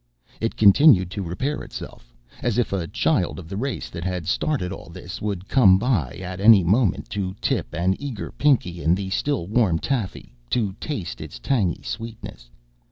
It continued to repair itself, as if a child of the race that had started all this would come by it at any moment to tip an eager pinky in the still warm taffy to taste its tangy sweetness.